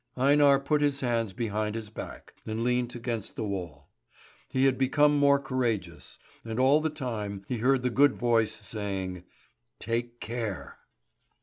Einar put his hands behind his back, and leant against the wall. He had become more courageous, and all the time he heard the good voice saying: "Take care!"